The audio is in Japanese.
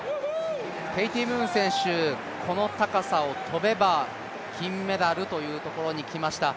ケイティ・ムーン選手、この高さを跳べば金メダルというところに来ました。